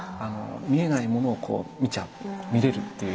見えないものを見ちゃう見れるっていう力。